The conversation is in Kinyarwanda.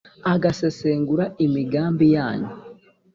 agasesengura imigambi yanyu.